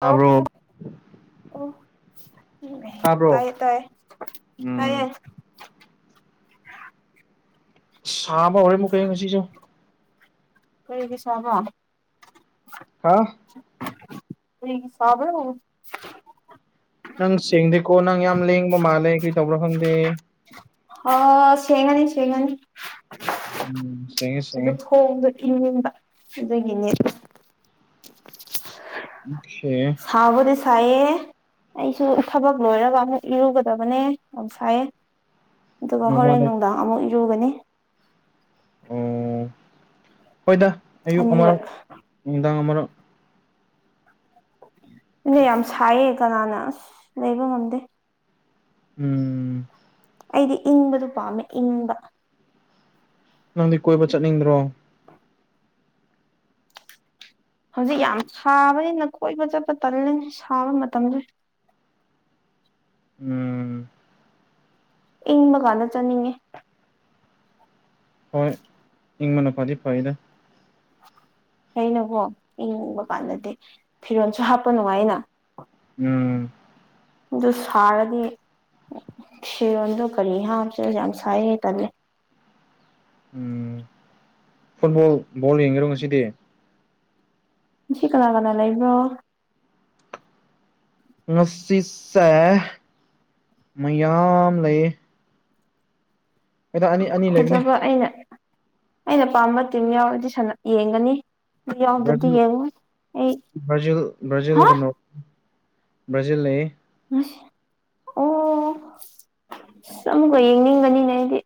ꯇꯥꯕ꯭ꯔꯣ ꯇꯧꯔꯛꯄꯁꯨ ꯑꯣ ꯎꯝ ꯇꯥꯕ꯭ꯔꯣ ꯇꯥꯏꯌꯦ ꯇꯥꯏꯌꯦ ꯇꯥꯏꯌꯦ ꯎꯝ ꯁꯥꯕ ꯍꯧꯔꯦ ꯑꯃꯨꯛꯀ ꯉꯁꯤꯁꯨ ꯀꯔꯤꯒꯤ ꯁꯥꯕ ꯍꯥ ꯀꯔꯤꯒꯤ ꯁꯥꯕ꯭ꯔꯣ ꯅꯪ ꯁꯦꯡꯗꯦꯀꯣ ꯅꯪ ꯌꯥꯝ ꯂꯦꯡꯕ ꯃꯥꯜꯂꯦ ꯀꯩ ꯇꯧꯕ꯭ꯔꯥ ꯈꯪꯗꯦ ꯑ ꯁꯦꯡꯉꯅꯤ ꯁꯦꯡꯉꯅꯤ ꯎꯝ ꯁꯦꯡꯉꯦ ꯑꯗ‌ꯣ ꯁꯦꯡꯉꯦ ꯊꯣꯡꯁ‌ꯦ ꯏꯟꯅꯤꯡꯕ ꯑꯗꯨꯒꯤꯅꯦ ꯎꯝ ꯁꯦꯡꯉꯦ ꯁꯥꯕꯗꯤ ꯁꯥꯏꯌꯦ ꯑꯩꯁꯨ ꯊꯕꯛ ꯂꯣꯏꯔꯒ ꯑꯃꯨꯛ ꯏꯔꯨꯒꯗꯕꯅꯦ ꯌꯥꯝ ꯁꯥꯏꯌꯦ ꯑꯗꯨꯒ ꯍꯣꯔꯦꯟ ꯅꯣꯡꯃꯗ ꯅꯨꯡꯗꯥꯡ ꯑꯃꯨꯛ ꯏꯔꯨꯒꯅꯤ ꯑꯣ ꯍꯣꯏꯗ ꯑꯌꯨꯛ ꯑꯅꯤꯔꯛ ꯑꯃꯔꯛ ꯅꯨꯡꯗꯥꯡ ꯑꯃꯔꯛ [inaudible] [unintelligible] ꯌꯥꯝ ꯁꯥꯏꯌꯦ ꯀꯅꯥꯅ ꯑꯁ ꯂꯩꯕ ꯉꯝꯗꯦ ꯎꯝ ꯑꯩꯗꯤ ꯏꯪꯕꯗꯨ ꯄꯥꯝꯃꯦ ꯏꯪꯕ ꯅꯪꯗꯤ ꯀꯣꯏꯕ ꯆꯠꯅꯤꯡꯗ꯭ꯔꯣ [inaudible] ꯍꯧꯖꯤꯛ ꯌꯥꯝ ꯁꯥꯕꯅꯤꯅ ꯀꯣꯏꯕ ꯆꯠꯄ ꯇꯜꯂꯤꯅ‌ꯦ ꯁꯥꯕ ꯃꯇꯝ ꯎꯝ ꯏꯪꯕ ꯀꯥꯟꯗ ꯆꯠꯅꯤꯡꯉꯦ ꯍꯣꯏ ꯏꯪꯕꯅ ꯐꯗꯤ ꯐꯩꯗ ꯍꯩꯅꯀꯣ ꯏꯪꯕ ꯀꯥꯟꯗꯗꯤ ꯐꯤꯔꯣꯟꯁꯨ ꯍꯥꯞꯄ ꯅꯨꯡꯉꯥꯏꯅ ꯎꯝ ꯑꯗꯨ ꯁꯥꯔꯗꯤ ꯐꯤꯔꯣꯜꯗꯣ ꯀꯔꯤ ꯍꯥꯞꯁꯤꯔ ꯌꯥꯝ ꯁꯥꯏꯌ‌ꯦ ꯇꯜꯂꯦ ꯎꯝ ꯐꯨꯠꯕꯣꯜ ꯕꯣꯜ ꯌꯦꯡꯒ‌ꯦꯔ‌ꯣ ꯉꯁꯤꯗꯤ ꯉꯥꯁꯤ ꯀꯥꯅꯥ ꯀꯥꯅꯥ ꯂꯩꯕ꯭ꯔꯣ ꯉꯁꯤꯁꯦ ꯃꯌꯥꯝ ꯂꯩꯌ‌ꯦ ꯑꯅꯤ ꯂꯩꯕꯅꯤ ꯐꯖꯕ ꯑꯩꯅ ꯑꯩꯅ ꯄꯥꯝꯕ ꯇꯤꯝ ꯌꯥꯎꯔꯗꯤ ꯁꯥꯅ ꯌꯦꯡꯒꯅꯤ ꯌꯧꯗꯔꯗꯤ ꯕ꯭ꯔꯥꯖꯤꯜ ꯌꯦꯡꯉꫭꯏ ꯑꯩ ꯕ꯭ꯔꯥꯖꯤꯜ ꯍꯥ ꯕ꯭ꯔꯥꯖꯤꯜꯒ ꯅꯣꯔ ꯕ꯭ꯔꯥꯖꯤꯜ ꯂꯩꯌꯦ ꯑꯁ ꯑꯣ ꯑꯃꯨꯛꯀꯥ ꯌꯦꯡꯅꯤꯡꯒꯅꯤꯅꯦ ꯑꯩꯗꯤ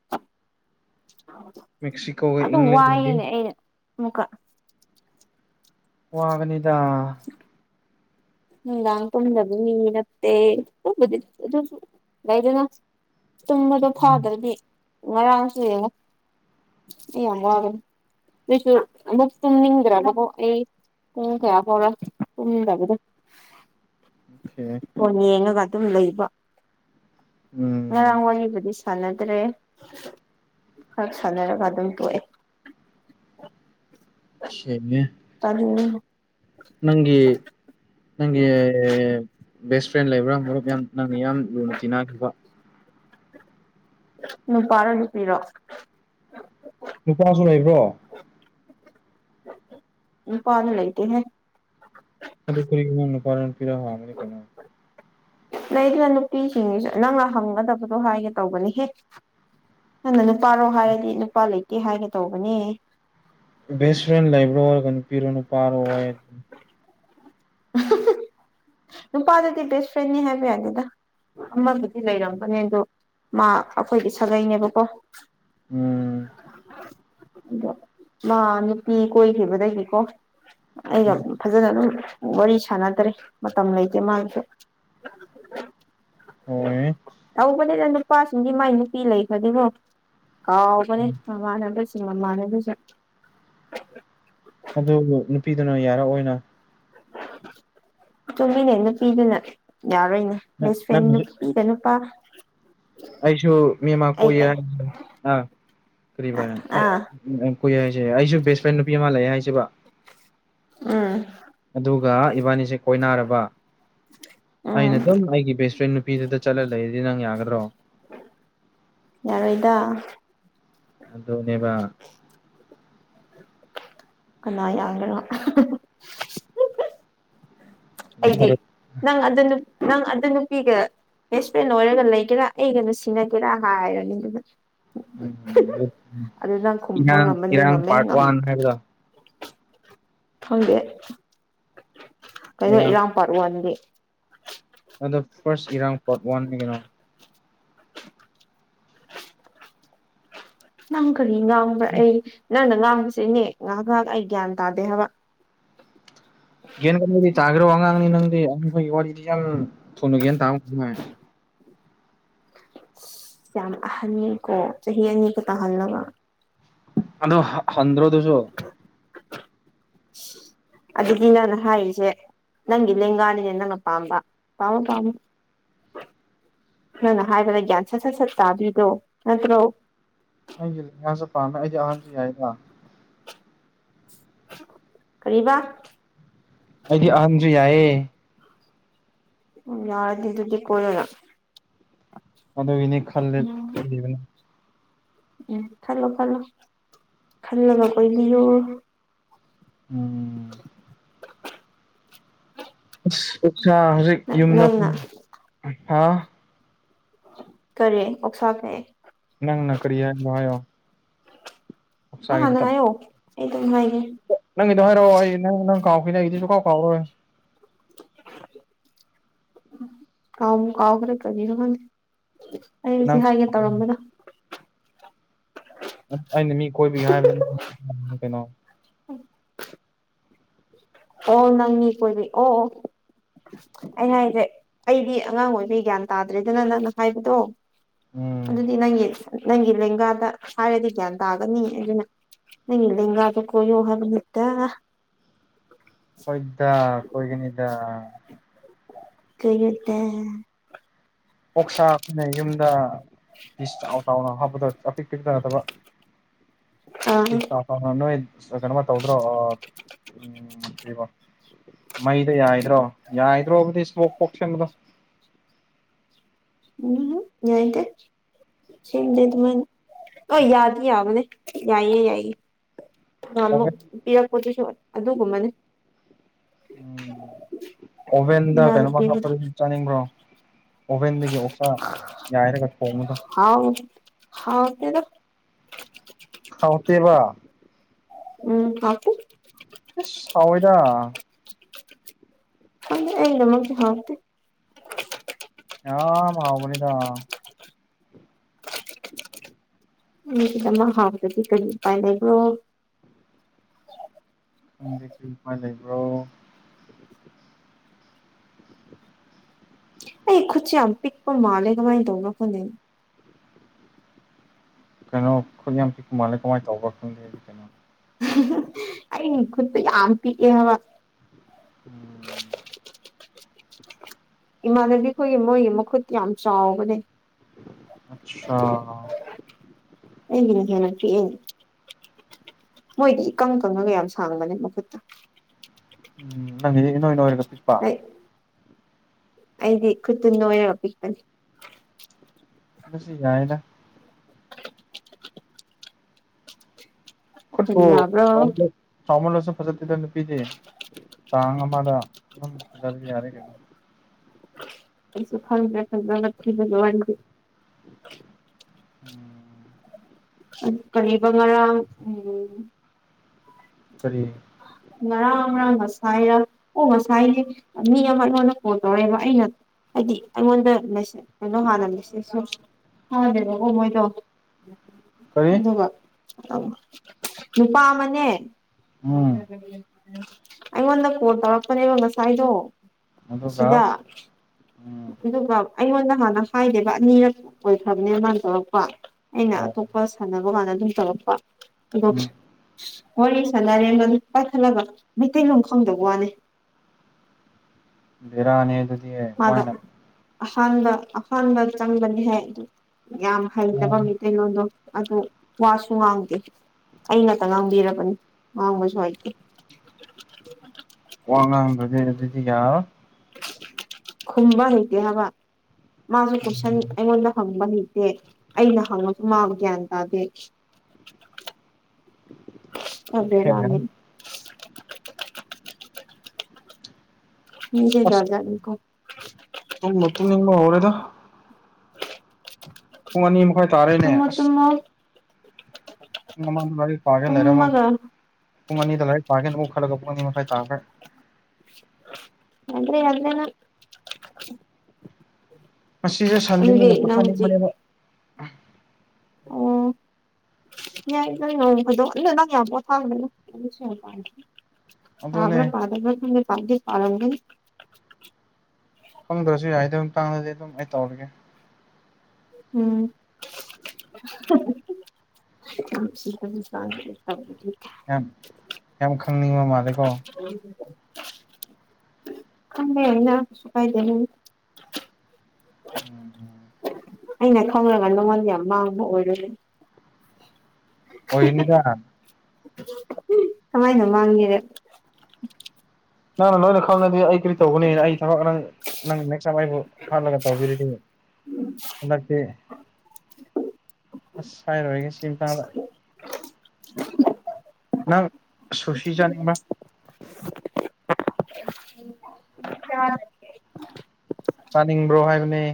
ꯃꯦꯛꯁꯤꯀꯣꯒ ꯑꯗꯨ ꯏꯪꯂꯦꯟꯒꯒꯤ ꯋꯥꯏꯌꯦꯅꯦ ꯑꯩꯩꯅ ꯃꯨꯛꯀ ꯋꯥꯒꯅꯤꯗ [inaudible] ꯅꯨꯡꯗꯥꯡ ꯇꯨꯝꯗꯕꯒꯤ ꯅꯠꯇꯦ [unintelligible] ꯑꯗꯨꯁꯨ ꯂꯩꯗꯅ ꯇꯨꯝꯕꯗꯣ ꯐꯥꯗ꯭ꯔꯗꯤ ꯉꯔꯥꯡꯁꯨ ꯌꯦꯡꯉꯣ ꯑꯩ ꯌꯥꯝ ꯋꯥꯒꯅꯤ ꯑꯗꯨꯁꯨ ꯑꯃꯨꯛ ꯇꯨꯝꯅꯤꯡꯗ꯭ꯔꯥꯕ ꯑꯩ ꯄꯨꯡ ꯀꯌꯥ ꯐꯥꯎꯔ ꯇꯨꯝꯗꯕꯗꯣ ꯈ‌ꯦ ꯐꯣꯟ ꯌꯦꯡꯉꯒ ꯑꯗꯨꯝ ꯂꯩꯕ ꯎꯝ ꯉꯔꯥꯡ ꯋꯥꯔꯤꯕꯨꯗꯤ ꯁꯥꯟꯅꯗ꯭ꯔꯦ ꯈꯔ ꯁꯥꯟꯅꯔꯒ ꯑꯗꯨꯝ ꯇꫭꯛꯑꯦ ꯁꯦꯡꯉꯦ [unintelligible] ꯅꯪꯒꯤ ꯅꯪꯒꯤ ꯕꯦꯁ ꯐ꯭ꯔꯦꯟ ꯂꯩꯕ꯭ꯔꯥ ꯃꯔꯨꯞ ꯌꯥꯝ ꯅꯪꯅ ꯌꯥꯝ ꯂꯨꯅ ꯇꯤꯟꯅꯈꯤꯕ ꯅꯨꯄꯥꯔꫭ ꯅꯨꯄꯤꯔꫭ ꯅꯨꯄꯥꯁꯨ ꯂꯩꯕ꯭ꯔꯣ ꯅꯨꯄꯥꯗꯤ ꯂꯩꯇꯦꯍꯦ ꯀꯗꯨ ꯀꯔꯤꯒꯤ ꯅꯪ ꯅꯨꯄꯥꯔ ꯅꯨꯄꯤꯔ ꯍꯡꯉꯥꯗꯤ ꯀꯩꯅꯣ ꯂꯩꯗꯅ ꯅꯨꯄꯤꯁꯤꯡꯁꯨ ꯅꯪꯅ ꯍꯪꯒꯗꯕꯗꯣ ꯍꯥꯏꯒꯦ ꯇꯧꯕꯅꯤꯍꯦ ꯅꯪꯅ ꯅꯨꯄꯥꯔꯣ ꯍꯥꯏꯔꯗꯤ ꯅꯨꯄꯥ ꯂꯩꯇꯦ ꯍꯥꯏꯒꯦ ꯇꯧꯕꯅꯦ ꯕꯦꯁ ꯐ꯭ꯔꯦꯟ ꯂꯩꯕ꯭ꯔꯣ ꯍꯥꯏꯔꯒ ꯅꯨꯄꯤꯔꯣ ꯅꯨꯄꯥꯔꯣꯌꯦ [inaudible] ꯅꯄꯥꯥꯗꯗꯤ ꯕꯦꯁ ꯐ꯭ꯔꯦꯟꯅꯤ ꯍꯥꯏꯕꯤ ꯌꯥꯗꯦꯗ ꯑꯃꯕꯨꯗꯤ ꯂꯩꯔꯝꯕꯅꯦ ꯑꯗꯣ ꯃꯥ ꯑꯩꯈꯣꯏꯗꯤ ꯁꯥꯒꯩꯅꯦꯕꯀꯣ ꯎꯝ ꯑꯗꯣ ꯃꯥ ꯅꯨꯄꯤ ꯀꯣꯏꯈꯤꯕꯗꯒꯤꯀꯣ ꯑꯩꯅ ꯐꯖꯅ ꯑꯗꯨꯝ ꯋꯥꯔꯤ ꯁꯥꯟꯅꯗ꯭ꯔꯦ ꯃꯇꯝ ꯂꯩꯇꯦ ꯃꯥꯒꯤꯁꯨ ꯍꯣꯏ ꯇꯧꯕꯅꯦꯗꯥ ꯅꯨꯄꯥꯁꯤꯡꯗꯤ ꯃꯥꯏ ꯅꯨꯄꯤ ꯂꯩꯈꯔ꯭ꯗꯤꯀꯣ ꯀꯥꯎꯕꯅꯦ ꯃꯃꯥꯟꯅꯕ ꯃꯥꯃꯟꯅꯕꯤꯁꯦ ꯑꯗꯨꯕꯨ ꯅꯨꯄꯤꯗꯨꯅ ꯌꯥꯔꯛꯑꯣꯏꯅ ꯆꯨꯨꯝꯃꯤꯅꯦ ꯅꯨꯄꯤꯗꯨꯅ ꯌꯥꯔꯣꯏꯅ ꯕꯦꯁ ꯐ꯭ꯔꯦꯟ ꯅꯪ ꯅꯨ ꯍꯧꯖꯤꯛ ꯒꯥ ꯅꯨꯄꯥ ꯑꯩꯁꯨ ꯃꯦꯝꯃꯥ ꯑꯩ ꯀꯣꯏꯌꯦ ꯀꯩ ꯑꯥ ꯀꯔꯤꯕ ꯑꯥ ꯀꯨꯏ ꯍꯥꯏꯁꯦ ꯑꯩꯁꯨ ꯕꯦꯁ ꯐ꯭ꯔꯦꯟ ꯅꯨꯄꯤ ꯑꯃ ꯂꯩ ꯍꯥꯏꯁꯦꯕ ꯎꯝ ꯑꯗꯨꯒ ꯏꯕꯥꯅꯤꯁꯦ ꯀꯣꯏꯅꯥꯔꯕ ꯎꯝ ꯑꯩꯅ ꯑꯗꯨꯝ ꯑꯩꯒꯤ ꯕꯦꯁ ꯐ꯭ꯔꯦꯟ ꯅꯨꯄꯤ ꯅꯨꯄꯤꯗꯨꯗ ꯆꯠꯂ ꯂꯩꯔꯗꯤ ꯅꯪ ꯌꯥꯒ꯭ꯗꯔꯣ ꯌꯥꯔꯣꯏꯗ ꯑꯗꯨꯅꯦꯕ ꯀꯅꯥ ꯌꯒꯦꯔꯥ ꯑꯩꯗꯤ ꯅꯪ ꯑꯗꯨ ꯅꯨ ꯅꯪ ꯑꯗꯨ ꯅꯨꯄꯤꯒ ꯕꯦꯁ ꯐ꯭ꯔꯦꯟ ꯑꯣꯏꯔꯒ ꯂꯩꯒꯦꯔꯥ ꯑꯩꯒ ꯅꯨꯡꯁꯤꯅꯒꯦꯔꯥ ꯍꯥꯏꯔꯅꯤ ꯑꯗꯨꯅ ꯎꯝ ꯑꯗꯨ ꯑꯗꯨ ꯅꯪ ꯈꯨꯝꯕ ꯏꯔꯥꯡ ꯉꯝꯃꯅꯤ ꯏꯔꯥꯡ ꯉꯝꯃꯦ ꯄꯥꯔꯠ ꯉꯝ ꯋꯥꯟ ꯍꯥꯏꯕꯗꯣ ꯈꯪꯗꯦ ꯀꯩꯅꯣ ꯏꯔꯥꯡ ꯄꯔ ꯋꯥꯟꯗꯤ ꯑꯗꯣ ꯐꯥꯔꯁ ꯏꯔꯥꯡ ꯄꯣꯠ ꯋꯥꯟꯅꯤ ꯀꯩꯅꯣ ꯉꯪ ꯀꯔꯤ ꯉꯥꯡꯕ꯭ꯔ ꯑꯩ ꯅꯪꯅ ꯉꯥꯡꯕꯁꯤ ꯏꯅꯦ ꯉꯍꯥꯛ ꯉꯍꯥꯛ ꯑꯩ ꯒ꯭ꯌꯥꯟ ꯇꯥꯗꯦ ꯍꯥꯏꯕ ꯒ꯭ꯌꯥꯟ ꯀꯗꯤ ꯇꯥꯒꯦꯔꯣ ꯑꯉꯥꯡꯅꯤ ꯅꯪꯗꯤ [unintelligible] ꯌꯥꯝ ꯑꯍꯟꯅꯤꯀꯣ ꯆꯍꯤ ꯑꯅꯤꯈꯇꯥꯡ ꯍꯜꯂꯒ ꯑꯗꯣ ꯍꯟꯗ꯭ꯔꯣ ꯑꯗꯨꯁꯨ ꯑꯗꯨꯗꯤ ꯅꯪꯅ ꯍꯥꯏꯔꯤꯁꯦ ꯅꯪꯒꯤ ꯂꯦꯡꯒꯥꯅꯤꯅꯦ ꯅꯪꯅ ꯄꯥꯝꯕ ꯄꯥꯝꯃꯨ ꯄꯥꯝꯃꯨ ꯅꯪꯅ ꯍꯥꯏꯕꯗ ꯒ꯭ꯌꯥꯟ ꯁꯠ ꯁꯠ ꯁꯠ ꯇꯥꯕꯤꯗꯣ ꯅꯠꯇ꯭ꯔꯣ ꯑꯩꯒꯤꯗꯤ ꯉꯥꯟꯁꯦ ꯄꯥꯝꯃꯦ ꯑꯩꯗꯤ ꯑꯍꯟꯁꯨ ꯌꯥꯏꯗ ꯀꯔꯤꯕ ꯑꯩꯗꯤ ꯑꯍꯟꯁꯨ ꯌꯥꯏꯌꯦ ꯎꯝ ꯌꯥꯔꯗꯤꯑꯗꯨꯗꯤ ꯀꯣꯏꯔꯒ ꯑꯗꯨꯒꯤꯅꯤ ꯈꯜꯂꯦ ꯎꯝ ꯈꯜꯂꯤꯕꯅꯤ ꯎꯝ ꯈꯜꯂꯣ ꯈꯜꯂꯣ ꯈꯜꯂꯒ ꯀꯣꯏꯕꯤꯌꯨ ꯎꯝ ꯑꯁ ꯎꯁꯥ ꯍꯧꯖꯤꯛ ꯌꯨꯝꯗ ꯅꯪꯅ ꯍꯥ ꯀꯔꯤ ꯑꯣꯣꯛꯁꯥꯛꯈꯑꯦ ꯅꯪ ꯅ ꯀꯔꯤ ꯍꯥꯏ ꯍꯥꯏꯌꯣ ꯅꯪ ꯑꯣꯛꯁꯥꯒꯤꯗ ꯍꯜꯅ‌ ꯇꯞ ꯍꯥꯏꯌꯣ ꯑꯩ ꯑꯗꯨꯝ ꯍꯥꯏꯒꯦ ꯅꯪꯒꯤꯗꯣ ꯍꯥꯏꯔꯛꯑꯣ ꯑꯩ ꯅꯪ ꯅꯪ ꯀꯥꯎꯈꯤꯅꯦ ꯑꯩꯒꯤꯗꯤ ꯁꯨꯛꯀꯥꯎ ꯀꯥꯎꯔꯣꯏ ꯀꯥꯎꯕꯨ ꯀꯥꯎꯈꯔꯦ ꯀꯔꯤꯔ ꯈꯪꯗꯦ ꯑꯩ ꯁꯤ ꯅꯪ ꯍꯥꯏꯒꯦ ꯇꯧꯔꯝꯕꯗꯣ ꯑꯩꯅ ꯃꯤ ꯀꯣꯏꯕꯒꯤ ꯍꯥꯏꯔ ꯀꯩꯅꯣ [unintelligible] ꯑꯣꯜ ꯅꯪ ꯃꯤ ꯀꯣꯏꯕꯩ ꯑꯣ ꯑꯣ ꯑꯩꯅ ꯍꯥꯏꯁꯦ ꯑꯩꯗꯤ ꯑꯉꯥꯡ ꯑꯣꯏꯕꯩ ꯒ꯭ꯌꯥꯟ ꯇꯥꯗ꯭ꯔꯦꯗꯅ ꯅꯪꯅ ꯍꯥꯏꯕꯗꯣ ꯎꯝ ꯑꯗꯨꯗꯤ ꯅꯪꯒꯤ ꯅꯪꯒꯤ ꯂꯦꯡꯒꯥꯗ ꯍꯥꯏꯔꯗꯤ ꯒ꯭ꯌꯥꯟ ꯇꯥꯒꯅꯤ ꯑꯗꯨꯅ ꯅꯪꯒꯤ ꯂꯦꯡꯒꯥꯗꯣ ꯀꯣꯏꯌꯨ ꯍꯥꯏꯕꯅꯤꯗ ꯀꯣꯏꯗꯥ ꯀꯣꯏꯒꯅꯤꯗ ꯀꯣꯏꯎꯗ ꯄꯣꯛꯁꯥ ꯑꯩꯈꯣꯏꯅ ꯌꯨꯝꯗ ꯄꯤꯁ ꯆꯥꯎ ꯆꯥꯎꯅ ꯍꯥꯞꯄꯗꯣ ꯑꯄꯤꯛ ꯄꯤꯛꯇ ꯅꯠꯇꯕ ꯑꯥ ꯄꯤꯁ ꯆꯥꯎ‌ꯆꯥꯎ ꯅꯣꯏ ꯀꯩꯅꯣꯒ ꯇꯧꯗ꯭ꯔꯣ ꯎꯝ ꯀꯔꯤꯕꯣ ꯃꯩꯗ ꯌꯥꯏꯗ꯭ꯔꯣ ꯌꯥꯏꯗ꯭ꯔꯣꯕꯗꯤ ꯏꯁꯃꯣꯛ ꯄꯣꯛꯁꯦꯝꯕꯗꯣ ꯎꯝ ꯌꯥꯏꯗ ꯁꯤꯗꯦ ꯑꯗꯨꯃꯥꯏꯅ ꯑꯣ ꯌꯥꯗꯤ ꯌꯥꯕꯅꯦ ꯌꯥꯏꯌꯦ ꯌꯥꯏꯌꯦ ꯅꯍꯟꯃꯨꯛ ꯑꯣꯚꯦꯟ ꯄꯤꯔꯛꯄꯗꯨꯁꯨ ꯑꯗꯨꯒꯨꯝꯕꯅꯤ ꯎꯝ ꯑꯣꯚꯦꯟꯗ ꯏꯃꯥꯅ ꯀꯩꯅꯣꯃ ꯄꯤꯕꯗꯣ ꯍꯥꯄꯔ ꯆꯥꯅꯤꯡꯕ꯭ꯔꯣ ꯑꯣꯚꯦꯟꯗꯒꯤ ꯑꯣꯛꯁꯥ ꯌꯥꯏꯔꯒ ꯊꯣꯡꯕꯗꯣ ꯍꯥꯎ ꯍꯥꯎ ꯇꯦꯗ ꯍꯥꯎꯇꯦꯕ ꯎꯝ ꯍꯥꯎꯇꯦ ꯑꯁ ꯍꯥꯎꯑꯦꯗ ꯈꯪꯗꯦ ꯑꯩ ꯅꯨꯃꯤꯠꯇꯤ ꯍꯥꯎꯇꯦ ꯌꯥꯝ ꯃꯥꯥꯎꯕꯅꯤꯗ ꯃꯤꯒꯤꯗꯃꯛ ꯍꯥꯎꯗꯗꯤ ꯀꯔꯤ ꯎꯄꯥꯏ ꯂꯩꯕ꯭ꯔꯣ ꯅꯪꯗꯤ ꯎꯄꯥꯏ ꯂꯩꯕ꯭ꯔꯣ ꯑꯩ ꯈꯨꯠꯁꯤ ꯌꯥꯝ ꯄꯤꯛꯄ ꯃꯥꯟꯂꯦ ꯀꯃꯥꯏ ꯇꯧꯕꯥ ꯈꯪꯗꯦꯅꯦ ꯀꯩꯅꯣ ꯈꯨꯠ ꯌꯥꯝ ꯄꯤꯛꯄ ꯃꯥꯜꯂꯦ ꯀꯃꯥꯏ ꯇꯧꯕꯔ ꯈꯪꯗꯦ ꯍꯥꯏꯗꯤ ꯀꯩꯅꯣ ꯑꯩꯩꯒꯤ ꯈꯨꯠꯇꯣ ꯌꯥꯝ ꯄꯤꯛꯑꯦ ꯍꯥꯏꯕ ꯎꯝ ꯏꯃꯥꯟꯅꯕꯤ ꯈꯣꯏꯒꯤ ꯃꯣꯏꯒꯤ ꯃꯈꯨꯠꯇꯤꯌꯥꯝ ꯆꯥꯎꯕꯅꯦ ꯑꯁꯁꯥ ꯑꯩꯒꯤꯅ ꯌꯥꯝ ꯄꯤꯛꯑꯦ ꯃꯣꯏꯗꯤ ꯏꯀꯪ ꯀꯪꯉꯒ ꯌꯥꯝ ꯁꯥꯡꯕꯅꯦ ꯃꯈꯨꯠꯇꯣ ꯎꯝ ꯅꯪꯒꯤꯗꯤ ꯏꯅꯣꯏ ꯅꯣꯏꯔꯒ ꯄꯤꯛꯄ ꯑꯩ ꯑꯩꯗꯤ ꯈꯨꯠꯇꯨ ꯅꯣꯏꯔꯒ ꯄꯤꯛꯄꯅꯤ ꯉꯁꯤ ꯌꯥꯏꯅ ꯀꯔꯤ [unintelligible] ꯌꯥꯕ꯭ꯔꯣ ꯆꯥꯎꯃꯜꯂꯁꯨ ꯐꯖꯗꯦꯗ ꯅꯨꯄꯤꯗꯤ ꯆꯥꯡ ꯑꯃꯗ ꯐꯖ ꯌꯥꯔꯦ ꯀꯩꯅꯣ ꯑꯩꯁꯨ ꯈꯪꯗꯦꯗ ꯅꯕꯒꯤ ꯋꯥꯗꯤ ꯎꯝ ꯀꯔꯤꯕ ꯉꯔꯥꯡ ꯎꯝ ꯀꯔꯤ ꯉꯔꯥꯡ ꯉꯔꯥꯡ ꯉꯁꯥꯏꯔ ꯑꯣ ꯉꯁꯥꯏꯅꯦ ꯃꯤ ꯑꯃ ꯑꯩꯉꯣꯟꯗ ꯐꯣꯟ ꯇꯧꯔꯛꯑꯦꯕ ꯑꯩꯅ ꯍꯥꯏꯗꯤ ꯑꯩꯉꯣꯟꯗ ꯀꯩꯅꯣ ꯍꯥꯟꯅ ꯃꯦꯁꯦꯁ ꯃꯣꯏꯗꯣ ꯀꯔꯤ ꯑꯗꯨꯒ ꯅꯨꯄꯥ ꯑꯃꯅꯦ ꯎꯝ ꯑꯩꯉꯣꯟꯗ ꯀꯣꯜ ꯇꯧꯔꯛꯄꯅꯦꯕ ꯉꯁꯥꯏꯗꯣ ꯑꯗꯨꯒ ꯁꯤꯗ ꯎꯝ ꯑꯗꯨꯒ ꯑꯩꯉꯣꯟꯗ ꯍꯥꯟꯅ ꯍꯥꯏꯗꯦꯕ ꯑꯅꯤꯔꯛ ꯑꯣꯏꯈ꯭ꯔꯕꯅꯦ ꯃꯥꯅ ꯇꯧꯔꯛꯄ ꯑꯩꯅ ꯑꯣ ꯑꯇꯣꯞꯄ ꯁꯥꯟꯅꯕ ꯀꯥꯟꯗ ꯑꯗꯨꯝ ꯇꯧꯔꯛꯄ ꯎꯝ ꯑ ꯋꯥꯔꯤ ꯁꯥꯟꯅꯔꯦꯕ ꯄꯥꯏꯈꯠꯂꯒ ꯃꯩꯇꯩꯂꯣꯟꯣ ꯈꯪꯗꯕ ꯋꯥꯅꯤ ꯕꯦꯔꯥꯅꯦ ꯑꯗꯨꯗꯤ ꯃꯥꯗꯣ ꯀꯃꯥꯏꯅ ꯑꯍꯥꯟꯕ ꯑꯍꯥꯟꯕ ꯆꯪꯕꯅꯤ ꯍꯥꯏ ꯑꯗꯨ ꯌꯥꯝ ꯍꯩꯇꯕ ꯃꯤꯗ ꯀꯩꯅꯣꯗꯣ ꯑꯗꯨ ꯋꯥꯁꯨ ꯉꯥꯡꯗꯦ ꯑꯩꯅꯇ ꯉꯥꯡꯕꯤꯔꯕꯅꯤ ꯉꯥꯡꯕꯁꯨ ꯍꯩꯇꯦ ꯋꯥ ꯉꯥꯡꯗ꯭ꯔꯗꯤ ꯑꯗꯨꯗꯤ ꯌꯥꯔꯔꯣꯏ ꯈꯨꯝꯕ ꯍꯩꯇꯦ ꯍꯥꯏꯕ ꯃꯥꯁꯨ ꯀꯣꯏꯁꯟ ꯑꯩꯉꯣꯟꯗ ꯍꯪꯕꯅꯤ ꯑꯦ ꯑꯩꯅ ꯍꯪꯉꯁꯨ ꯃꯥꯕꯨ ꯒ꯭ꯌꯥꯟ ꯇꯥꯗꯦ [unintelligible] ꯕꯦꯔꯥꯅꯤꯅꯦ ꯃꯤꯖꯦ ꯖꯥꯠ ꯖꯥꯠꯅꯤ ꯀꯣ ꯇꯨꯝꯕꯨ ꯇꯨꯝꯅꯤꯡꯕ ꯍꯧꯔꯦꯗ ꯄꯨꯡ ꯑꯅꯤ ꯃꯈꯥꯏ ꯇꯥꯔꯦꯅꯦ ꯇꯨꯝꯃꯣ ꯑꯁ ꯇꯨꯝꯃꯣ ꯄꯨꯡ ꯑꯃ ꯃꯔꯤ ꯄꯥꯒꯦꯅ ꯇꯨꯝꯃꯒ ꯄꯨꯡ ꯑꯅꯤꯗ ꯂꯥꯏꯔꯤꯛ ꯄꯥꯒꯦꯅ ꯈꯜꯂꯒ ꯄꯨꯡ ꯑꯅꯤ ꯃꯈꯥꯏ ꯇꯥꯈ꯭ꯔꯦ ꯅꯪꯗ꯭ꯔꯦ ꯌꯥꯗꯦ꯭ꯔ ꯅꯪ ꯉꯁꯤꯖꯦ ꯑꯗꯨꯗꯤ ꯁꯟꯗꯦꯅꯤꯅ ꯅꯪ ꯍꯧꯖꯤꯛ ꯄꯣꯊꯥꯅꯤꯡꯕꯅꯦꯕ [inaudible] ꯌꯥꯏꯗ ꯅꯣꯡ ꯐꯥꯗꯣꯛ [unintelligible] ꯑꯗꯨꯅꯦ ꯄꯥꯕꯔ ꯄꯥꯗꯕꯔ ꯈꯪꯗꯦ ꯄꯥꯗꯤ ꯄꯥꯔꯝꯒꯅꯤ ꯈꯪꯗ꯭ꯔꯁꯨ ꯌꯥꯏ ꯑꯗꯨꯏ ꯃꯇꯥꯡꯗꯗꯤ ꯑꯗꯨꯝ ꯑꯩ ꯇꯧꯔꯒꯦ ꯎꯝ [unintelligible] [unintelligible] ꯌꯥꯝ ꯌꯥꯝ ꯈꯪꯅꯤꯡꯕ ꯃꯥꯜꯂꯦ [unintelligible] ꯈꯪꯗꯦ ꯑꯩꯅ ꯀꯩ ꯀꯥꯏꯗꯦ [unintelligible] ꯎꯝ ꯎꯝ ꯑꯩꯅ ꯈꯪꯂꯒ ꯅꯉꯣꯟꯗ ꯌꯥꯝ ꯃꯥꯡꯕ ꯑꯣꯏꯔꯅꯤ ꯑꯣꯏꯒꯅꯤꯗ [unintelligible] ꯀꯃꯥꯏꯅ ꯃꯥꯡꯒꯦ ꯅꯪꯅ ꯂꯣꯏꯅ ꯈꯪꯡꯂꯗꯤ ꯑꯩ ꯀꯔꯤ ꯇꯧꯒꯅꯤ ꯑꯩ ꯊꯕꯛ ꯑ ꯔꯪ ꯅꯪ ꯅꯦꯀꯁ ꯇꯥꯏꯃ ꯑꯩꯕꯨ ꯍꯥꯠꯂꯒ ꯇꯧꯕꯤꯔꯗꯤ ꯍꯟꯗꯛꯇꯤ ꯑꯁ ꯍꯥꯏꯔꯔꯣꯏꯒꯦ ꯁꯤ ꯃꯇꯥꯡꯗ ꯅꯪ ꯁꯨꯁꯤ ꯆꯥꯅꯤꯡꯕ꯭ꯔꯥ [unintelligible] ꯆꯥꯅꯤꯡꯕ꯭ꯔꯣ ꯍꯥꯏꯕꯅꯦ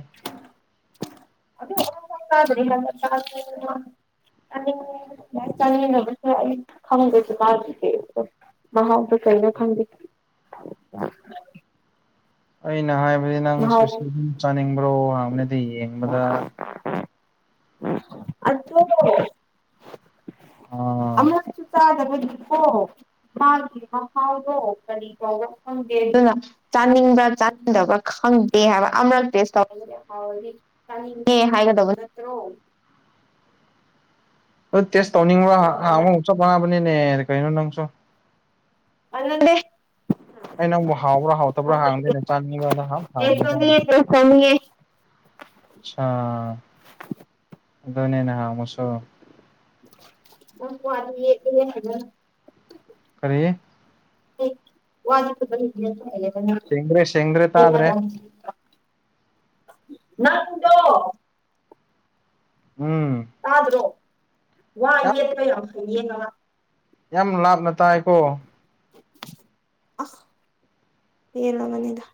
[unintelligible] [unintelligible] ꯃꯍꯥꯎꯗ ꯀꯩꯅꯣ ꯈꯪꯕꯤ [inaudible] ꯑꯩꯅ ꯍꯥꯏꯕꯗꯤ ꯅꯪ ꯃꯍꯥꯎ ꯁꯨꯁꯤ ꯆꯥꯅꯤꯡꯕ꯭ꯔꯣ ꯍꯥꯡꯕꯅꯗꯤ ꯌꯦꯡꯕꯗ ꯑꯗꯣ ꯑꯥ ꯑꯃꯛꯁꯨ ꯇꯥꯗꯕꯒꯤ ꯀꯣ ꯃꯥꯒꯤ ꯃꯍꯥꯎꯗꯣ ꯀꯔꯤ ꯐꯥꯎꯕ ꯐꯪꯗꯦ ꯑꯗꯨꯅ ꯆꯥꯅꯤꯡꯕ꯭ꯔꯥ ꯆꯥꯅꯤꯡꯗꯕ꯭ꯔꯥ ꯈꯪꯗꯦ ꯍꯥꯏꯕ ꯑꯃꯔꯛ ꯇꯦꯁꯇꯧꯕꯗꯨꯗ ꯍꯥꯎꯔꯗꯤ ꯆꯥꯅꯤꯡꯉꯦ ꯍꯥꯏꯒꯗꯕ ꯅꯠꯇ꯭ꯔꯣ ꯑꯗꯨ ꯇꯦꯁ ꯇꯧꯅꯤꯡꯕ꯭ꯔ ꯆꯨꯝꯗꯕ ꯍꯪꯉꯨ [unintelligible] ꯀꯩꯅꯣ ꯅꯪꯁꯨ [unintelligible] ꯑꯩ ꯅꯪꯕꯨ ꯍꯥꯎꯕ꯭ꯔꯥ ꯍꯥꯎꯇꯕ꯭ꯔꯥ ꯍꯪꯗꯦꯅꯦꯅꯦ ꯆꯥꯅꯤꯡꯕ꯭ꯔꯅ ꯍꯥꯎ ꯍꯥꯡꯕꯅꯤꯗꯅ ꯑꯗꯨꯝ ꯀꯧꯅꯤꯡꯉꯦ ꯑ ꯑꯗꯨꯅꯦ ꯅꯍꯥꯟꯃꯨꯛꯁꯨ [unintelligible] ꯀꯔꯤꯌꯦ ꯁꯦꯡꯗ꯭ꯔꯦ ꯁꯦꯡꯗ꯭ꯔꯦ ꯇꯥꯗ꯭ꯔꯦ [unintelligible] [unintelligible] ꯎꯝ ꯇꯥꯗ꯭ꯔꯣ ꯋꯥ ꯌꯦꯠꯄ ꯌꯥꯝ ꯐꯩ ꯌꯦ ꯃꯉ ꯌꯥꯝ ꯂꯥꯞꯅ ꯇꯥꯏꯀꯣ ꯑ ꯀ ꯃꯅꯤꯗ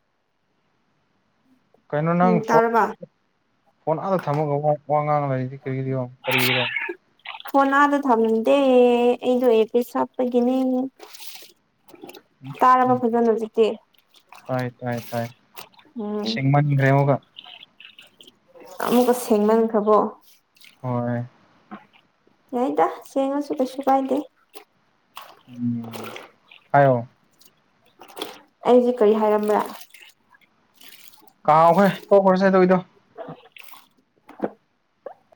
ꯀꯩꯅꯣ ꯅꯪ ꯎꯝ ꯐꯣꯟ ꯇꯥꯔꯕ ꯑꯥ ꯐꯣꯟ ꯑꯥꯗ ꯊꯝꯃꯒ ꯋꯥ ꯉꯥꯡ ꯂꯩꯔꯤꯗꯤ ꯀꯔꯤꯔꯤꯔꯣ ꯀꯔꯤꯒꯤꯔꯣ ꯐꯣꯟꯅꯥꯗ ꯊꯝꯗꯦ ꯑꯩꯗꯣ ꯑꯦ ꯄ ꯁꯥꯞꯄꯒꯤꯅꯦ [inaudible] ꯍꯧꯖꯤꯛꯇꯤ ꯍꯥꯏꯥꯏꯥꯏ ꯎꯝ ꯁꯤꯦꯡꯃꯟ꯭ꯔꯦ ꯍꯒ ꯑꯃꯨꯛꯀ ꯁꯦꯡꯃꯟꯈ꯭ꯔꯕꯣ ꯍꯣꯏ ꯌꯥꯏꯗ ꯁꯦꯡꯉꯁꯨ ꯀꯁꯨ ꯀꯥꯏꯗꯦ ꯎ ꯍꯥꯏ ꯑꯩꯁꯦ ꯀꯔꯤ ꯍꯥꯏꯔꯝꯕ꯭ꯔꯥ ꯀꯥꯎꯈꯣꯏ ꯇꯣꯛꯈ꯭ꯔꯁꯦ ꯑꯗꯨꯏꯗꯣ [inaudible]